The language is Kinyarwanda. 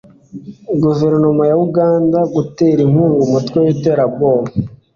guverinoma ya uganda gutera inkunga umutwe w'iterabwoba